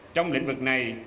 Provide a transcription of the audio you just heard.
trong lĩnh vực này